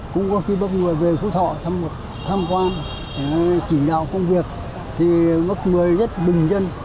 cũng có khi bác mười về khu thọ tham quan chỉ đạo công việc thì bác mười rất bình dân